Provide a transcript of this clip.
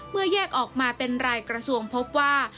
แยกออกมาเป็นรายกระทรวงพบว่า